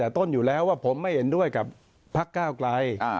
แต่ต้นอยู่แล้วว่าผมไม่เห็นด้วยกับพักก้าวไกล